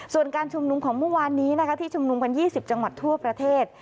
ส่วนการชุมนุมของเมื่อวานนี้นะคะที่ชุมนุมกัน๒๐จังหวัดทั่วประเทศ